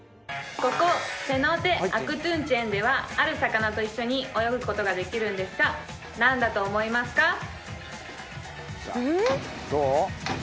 ここセノーテアクトゥンチェンではある魚と一緒に泳ぐことができるんですが何だと思いますか？